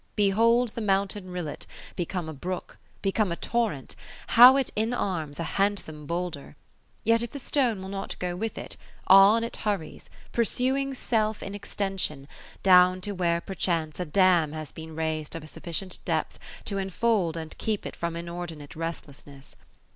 Behold the mountain rillet, become a brook, become a torrent, how it inarms a handsome boulder: yet if the stone will not go with it, on it hurries, pursuing self in extension, down to where perchance a dam has been raised of a sufficient depth to enfold and keep it from inordinate restlessness.